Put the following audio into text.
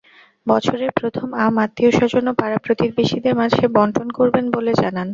বছরের প্রথম আম আত্মীয়স্বজন ও পাড়া প্রতিবেশীদের মাঝে বণ্টন করবেন বলে জানান।